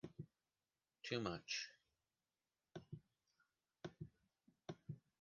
Too much.